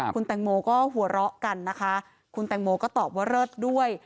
คุณแตงโมก็หัวเราะกันนะคะคุณแตงโมก็ตอบว่าเลิศด้วย